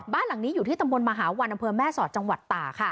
บ้านหลังนี้อยู่ที่ตำบลมหาวันอำเภอแม่สอดจังหวัดตาค่ะ